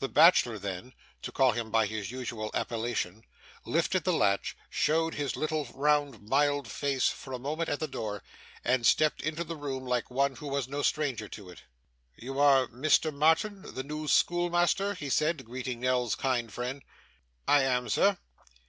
The bachelor, then to call him by his usual appellation lifted the latch, showed his little round mild face for a moment at the door, and stepped into the room like one who was no stranger to it. 'You are Mr Marton, the new schoolmaster?' he said, greeting Nell's kind friend. 'I am, sir.